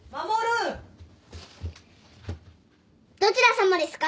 どちらさまですか？